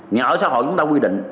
nhà ở xã hội chúng ta quy định